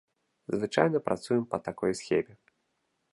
Звычайна працуем па такой схеме.